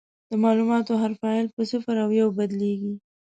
د معلوماتو هر فایل په صفر او یو بدلېږي.